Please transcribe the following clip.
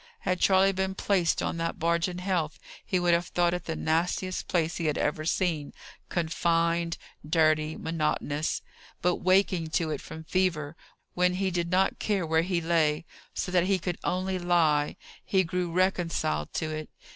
Had Charley been placed on that barge in health, he would have thought it the nastiest place he had ever seen confined, dirty, monotonous. But waking to it from fever, when he did not care where he lay, so that he could only lie, he grew reconciled to it.